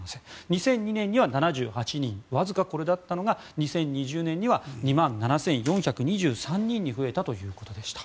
２００２年には７８人わずかこれだったのが２０２０年には２万７４２３人に増えたということでした。